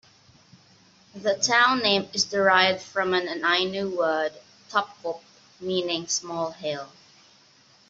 The town name is derived from an Ainu word "tapkop", meaning "small hill".